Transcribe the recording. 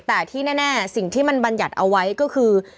แต่ที่แน่สิ่งที่มันบรรยัติเอาไว้ก็คือ